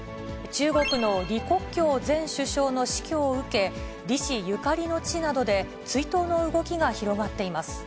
中国の李克強前首相の死去を受け、李氏ゆかりの地などで、追悼の動きが広がっています。